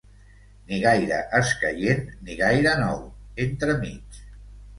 Ni gaire escaient ni gaire nou, entre mig